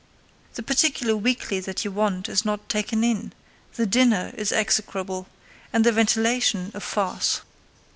The particular weekly that you want is not taken in; the dinner is execrable, and the ventilation a farce.